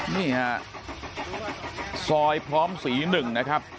นี่ฮะซอยพร้อมศรี๑นะครับ